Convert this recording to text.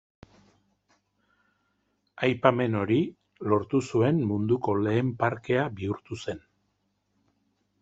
Aipamen hori lortu zuen munduko lehen parkea bihurtu zen.